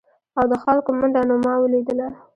او د خلکو منډه نو ما ولیدله ؟